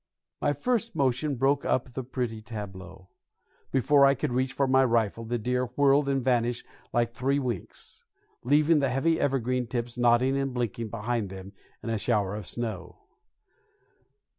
My first motion broke up the pretty tableau. Before I could reach for my rifle the deer whirled and vanished like three winks, leaving the heavy evergreen tips nodding and blinking behind them in a shower of snow.